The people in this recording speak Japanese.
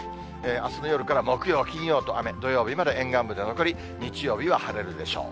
あすの夜から木曜、金曜と雨、土曜日まで沿岸部で残り、日曜日は晴れるでしょう。